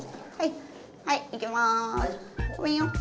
はいいきます。